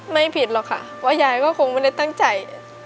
ไม่ผิดหรอกค่ะว่ายายก็คงไม่ได้ตั้งใจ